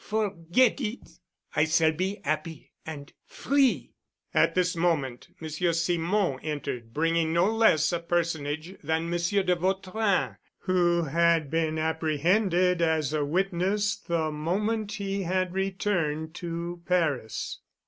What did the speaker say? Forget it. I s'all be 'appy—and free." At this moment Monsieur Simon entered bringing no less a personage than Monsieur de Vautrin, who had been apprehended as a witness the moment he had returned to Paris.